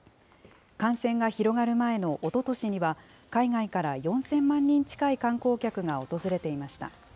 感染が広がる前のおととしには、海外から４０００万人近い観光客が訪れていました。